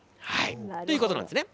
ということなんですね。